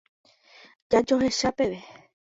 Jajoecha peve.